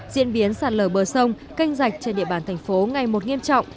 diễn biến sạt lở bờ sông canh rạch trên địa bàn thành phố ngày một nghiêm trọng